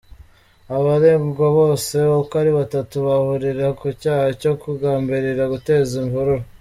Abaregwa bose uko ari batatu bahurira ku cyaha cyo kugambirira guteza imvururu.